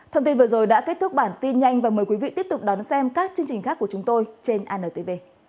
cảm ơn các bạn đã theo dõi và hẹn gặp lại